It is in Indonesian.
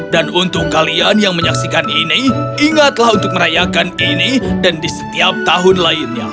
dan untuk kalian yang menyaksikan ini ingatlah untuk merayakan ini dan di setiap tahun lainnya